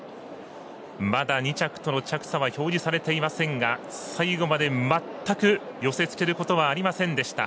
まだ２着との差は表示されていませんが最後まで全く寄せつけることはありませんでした。